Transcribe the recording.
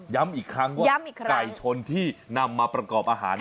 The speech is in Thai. อีกครั้งว่าไก่ชนที่นำมาประกอบอาหาร